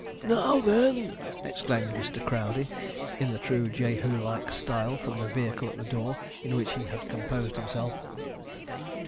'Now, then!' exclaimed Mr. Crowdey, in the true Jehu like style, from the vehicle at the door, in which he had composed himself.